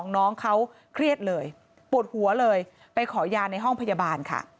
น้องเขาเครียดเลยปวดหัวเลยไปขอยาในห้องพยาบาลค่ะ